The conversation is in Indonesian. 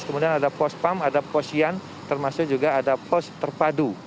kemudian ada pos pam ada pos sian termasuk juga ada pos terpadu